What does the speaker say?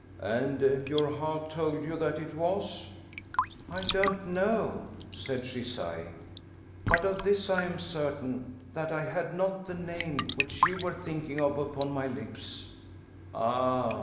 "And your heart told you that it was?" "I don't know," said she, sighing. "But of this I am certain, that I had not the name, which you were thinking of, upon my lips." Ah!